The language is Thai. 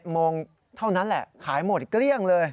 โมงเท่านั้นแหละขายหมดเกลี้ยงเลย